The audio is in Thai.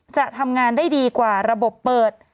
จะทำงานได้ดีกว่าระบบเปิด